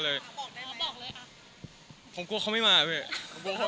เราต้องการเขา